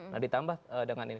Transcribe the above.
nah ditambah dengan ini